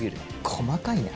細かいな。